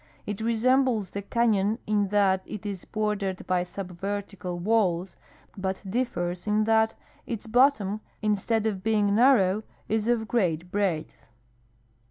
It resembles the cafion in that it is bordered by subvertical walls, but diflers in that its bottom instead of being narrow is of great breadth.